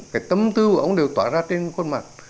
cái tâm tư của ông đều tỏa ra trên khuôn mặt